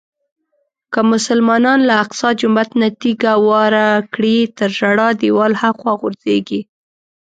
که مسلمانان له اقصی جومات نه تیږه واره کړي تر ژړا دیوال هاخوا غورځېږي.